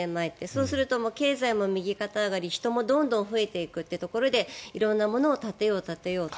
そうすると経済も右肩上がり人もどんどん増えていくっていうところで色んなものを建てよう、建てようと。